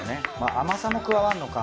甘さも加わるのか。